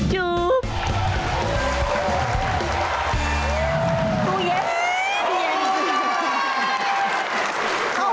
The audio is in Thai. ตู้เย็น